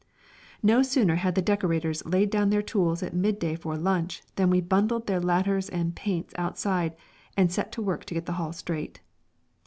No sooner had the decorators laid down their tools at midday for lunch than we bundled their ladders and paints outside and set to work to get the hall straight.